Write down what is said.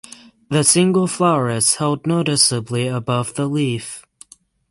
The single flower is held noticeably above the leaf.